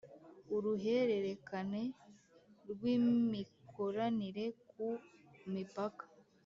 Uruhererekane rw imikoranire ku mipaka